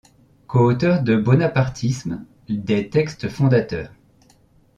Co-auteur de: 'Bonapartisme, des textes fondateurs'.